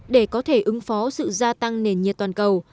để có thể ứng phó sự gia tăng nền nhiệt toàn cầu